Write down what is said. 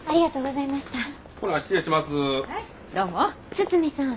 堤さん。